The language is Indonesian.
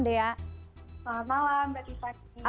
selamat malam mbak isma